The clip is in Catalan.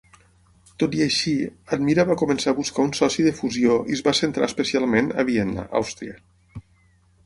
Tot i així, Admira va començar a buscar un soci de fusió i es va centrar especialment a Vienna, Austria.